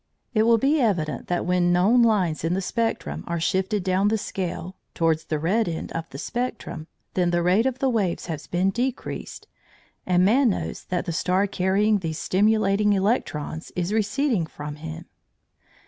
It will be evident that when known lines in the spectrum are shifted down the scale (towards the red end of the spectrum), then the rate of the waves has been decreased, and man knows that the star carrying these stimulating electrons is receding from him.